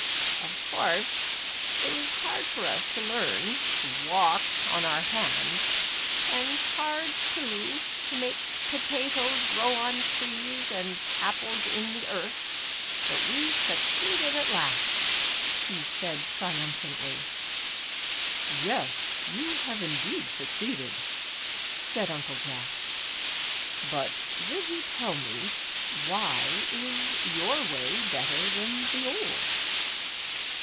*'0f course, it was hard for us to learn to walk 156 The Upsidedownians. on our hands, and hard, too, to make potatoes grow on trees, and apples in the earth, but we succeeded at last," he said, triumphantly. "Yes, you have indeed succeeded," said Uncle Jack, "but will you tell me, why is your way better than the old